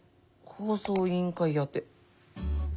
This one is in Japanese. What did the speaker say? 放送委員会宛て。